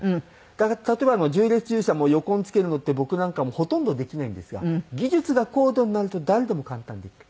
だから例えば縦列駐車も横につけるのって僕なんかもほとんどできないんですが技術が高度になると誰でも簡単にできる。